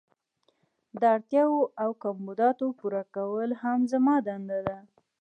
د اړتیاوو او کمبوداتو پوره کول هم زما دنده ده.